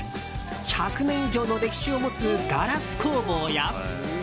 １００年以上の歴史を持つガラス工房や。